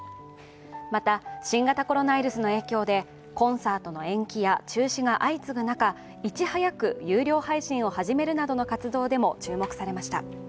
また、新型コロナウイルスの影響でコンサートの延期や中止が相次ぐ中いち早く有料配信を始めるなどの活動でも注目されました。